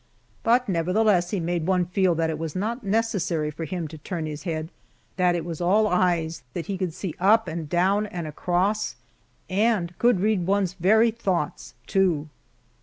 But nevertheless he made one feel that it was not necessary for him to turn his head that it was all eyes, that he could see up and down and across and could read one's very thoughts, too.